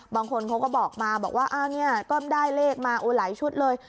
บางคนเขาก็บอกมาบอกว่าอ้าวเนี่ยก็ได้เลขมาหลายชุดเลย